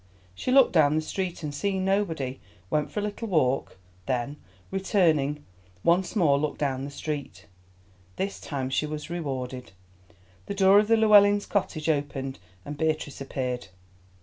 She looked down the street, and seeing nobody, went for a little walk, then, returning, once more looked down the street. This time she was rewarded. The door of the Llewellyns' cottage opened, and Beatrice appeared.